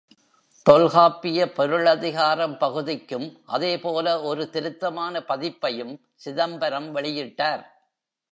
தொல்காப்பிய பொருளதிகாரம் பகுதிக்கும் அதே போல ஒரு திருத்தமான பதிப்பையும் சிதம்பரம் வெளியிட்டார்.